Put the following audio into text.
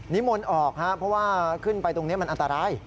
มนต์ออกครับเพราะว่าขึ้นไปตรงนี้มันอันตราย